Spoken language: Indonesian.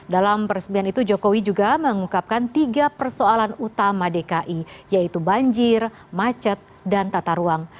dalam peresmian itu jokowi juga mengungkapkan tiga persoalan utama dki yaitu banjir macet dan tata ruang